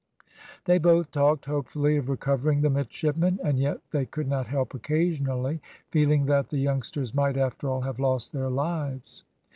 They both talked hopefully of recovering the midshipmen, and yet they could not help occasionally feeling that the youngsters might after all have lost their lives.